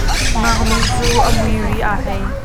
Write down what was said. Ngaknu cu a muiri aa hei.